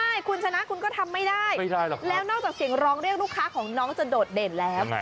ใช่คุณชนะคุณก็ทำไม่ได้หรอกแล้วนอกจากเสียงร้องเรียกลูกค้าของน้องจะโดดเด่นแล้ว